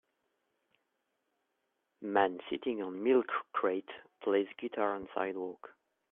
Man sitting on milk crate plays guitar on sidewalk